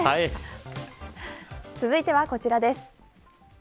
続いてはこちらです。